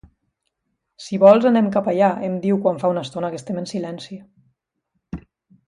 Si vols, anem cap allà —em diu, quan fa estona que estem en silenci—.